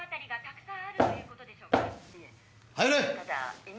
入れ。